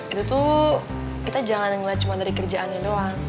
itu tuh kita jangan melihat cuma dari kerjaannya doang